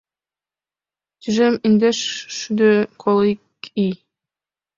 Тӱжем индешшӱдӧ коло ик ий.